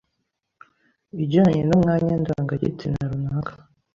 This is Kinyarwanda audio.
ijyanye n'umwanya ndangagitsina runaka